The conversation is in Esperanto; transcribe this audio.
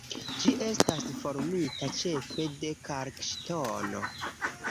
Ĝi estas formita ĉefe de kalkŝtono.